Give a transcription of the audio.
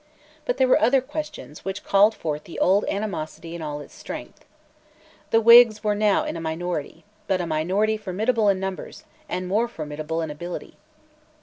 But there were other questions which called forth the old animosity in all its strength. The Whigs were now in a minority, but a minority formidable in numbers, and more formidable in ability.